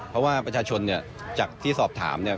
เพราะว่าประชาชนเนี่ยจากที่สอบถามเนี่ย